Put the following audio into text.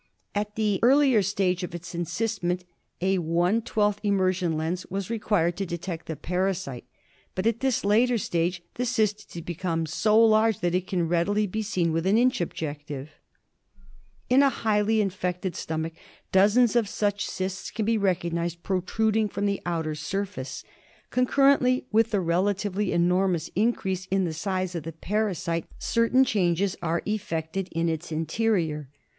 At the early stage of its encystment a one twelfth immersion lens was required to detect the parasite, but at Malarial Zjgoies la StomaiA Wall of Motqulto— high this later stage the cyst has become so large that it can be readily seen with an inch objective. In a heavily infected stomach dozens of such cysts can be recognised protruding from the outer surface. Con currently with the relatively enormous increase in the size of the parasite certain changes are effected in its interior.